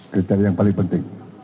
kriteria yang paling penting